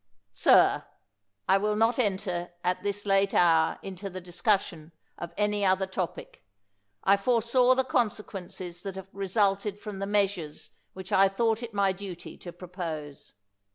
Sir, I will not enter at this late hour into the discussion of any other topic. I foresaw the consequences that have resulted from the measures which I thought it my duty to pro pose.